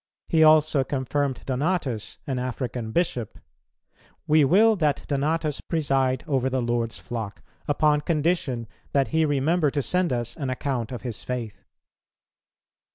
He also confirmed Donatus, an African bishop: 'We will that Donatus preside over the Lord's flock, upon condition that he remember to send us an account of his faith.'